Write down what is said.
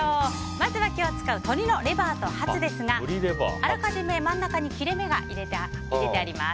まずは今日使う鶏のレバーとハツですがあらかじめ真ん中に切れ目が入れてあります。